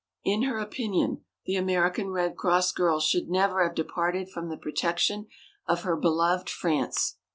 In her opinion, the American Red Cross girls should never have departed from the protection of her beloved France.